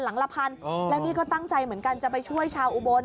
ละพันแล้วนี่ก็ตั้งใจเหมือนกันจะไปช่วยชาวอุบล